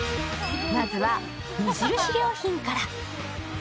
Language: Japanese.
まずは、無印良品から。